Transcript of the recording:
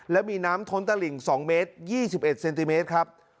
และมีน้ำท้นตะหลิ่ง๒เมตร๒๑เซนติเมตรครับ